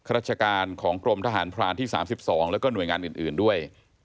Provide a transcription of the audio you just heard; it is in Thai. ราชการของกรมทหารพรานที่๓๒แล้วก็หน่วยงานอื่นด้วย